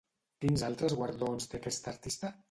Quins altres guardons té aquesta artista?